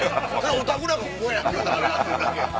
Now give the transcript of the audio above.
おたくらがここやって言うたからやってるだけや。